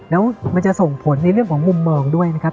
แล้วมันจะส่งผลในเรื่องของมุมมองด้วยนะครับ